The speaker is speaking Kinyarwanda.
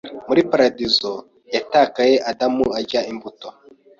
Muri paradizo yatakaye Adamu arya imbuto